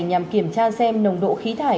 nhằm kiểm tra xem nồng độ khí thải